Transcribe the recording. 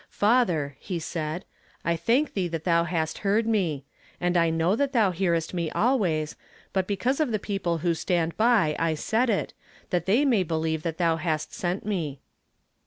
'* Kathei ," J»o said, " I thank thee that thou hast hea vd me ; and I know that thou hearest lue always ; hut hecauso of the people who sland by I said it, that they may believe that thou hast sent me."